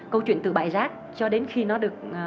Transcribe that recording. câu chuyện từ bãi rác cho đến khi nó được